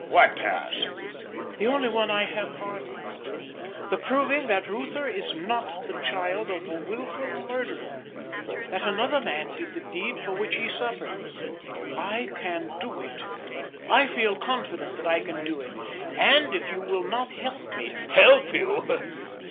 What task?" "The only one I have heart for: the proving that Reuther is not the child of a wilful murderer; that another man did the deed for which he suffered. I can do it. I feel confident that I can do it; and if you will not help me " "Help you!